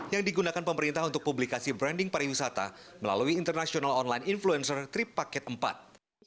yang digunakan pemerintah untuk publikasi branding pariwisata melalui international online influencer trip paket iv